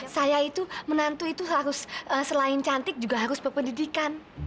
saya itu menantu itu harus selain cantik juga harus berpendidikan